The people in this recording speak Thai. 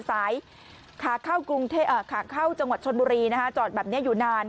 สายขาเข้าจังหวัดชนบุรีนะคะจอดแบบเนี้ยอยู่นาน